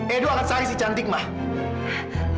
edo akan cari si cantik mak